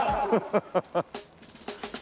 ハハハハ。